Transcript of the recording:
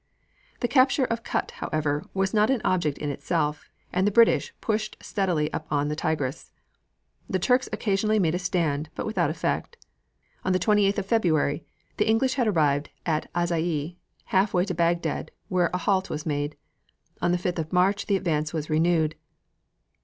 The capture of Kut, however, was not an object in itself, and the British pushed steadily on up the Tigris. The Turks occasionally made a stand, but without effect. On the 28th of February the English had arrived at Azizie, half way to Bagdad, where a halt was made. On the 5th of March the advance was renewed.